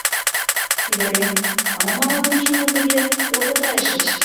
Ӱдырем, а мом ават ончылно тыге лопотайышыч?